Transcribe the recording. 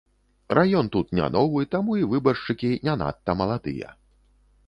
Раён тут не новы, таму і выбаршчыкі не надта маладыя.